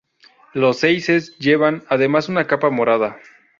Los Seises llevan, además, una capa morada.